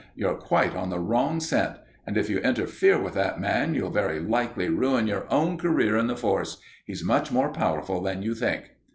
"You're quite on the wrong scent, and if you interfere with that man, you'll very likely ruin your own career in the Force. He's much more powerful than you think."